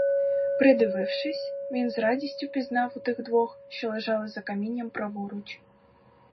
Придивившись, він з радістю пізнав у тих двох, що лежали за камінням праворуч.